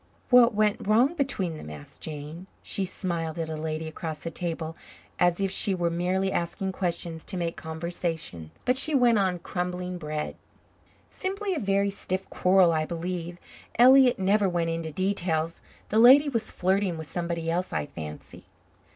"What went wrong between them?" asked Jane. She smiled at a lady across the table, as if she were merely asking questions to make conversation, but she went on crumbling bread. "Simply a very stiff quarrel, I believe. Elliott never went into details. The lady was flirting with somebody else, I fancy."